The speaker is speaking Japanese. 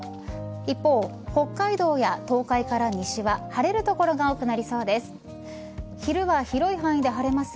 一方、北海道や東海から西は晴れる所が多くなりそうです。